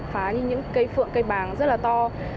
phá như những cây phượng cây bàng rất là to